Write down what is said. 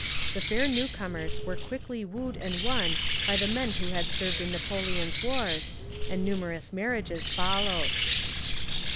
The fair newcomers were quickly wooed and won by the men who had served in Napoleon's wars, and numerous marriages followed.